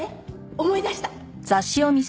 思い出した。